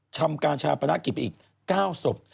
ทำการชาปนกิจไปอีก๙ศพ